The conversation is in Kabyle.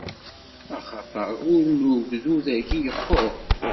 Axaṭer ul n ugdud-agi yeqqur!